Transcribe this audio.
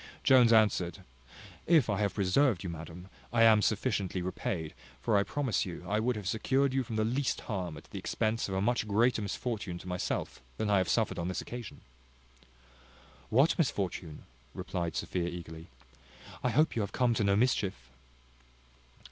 Jones answered, "If I have preserved you, madam, I am sufficiently repaid; for I promise you, I would have secured you from the least harm at the expense of a much greater misfortune to myself than I have suffered on this occasion." "What misfortune?" replied Sophia eagerly; "I hope you have come to no mischief?"